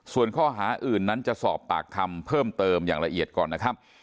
ส่วนข้อหาอื่นนั้นจะสอบปากคำเพิ่มเติมอย่างละเอียดก่อนนะครับ